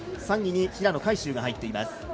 ３位に平野海祝が入っています。